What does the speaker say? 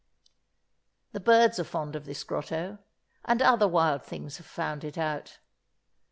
The birds are fond of this grotto, and other wild things have found it out.